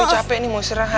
boy capek nih mau istirahat